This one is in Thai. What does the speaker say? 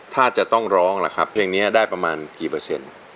ถ้าจะต้องร้องล่ะครับเพลงนี้ได้ประมาณกี่เปอร์เซ็นต์